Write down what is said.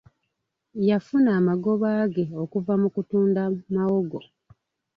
Yafuna amagoba ge okuva mu kutunda mawogo.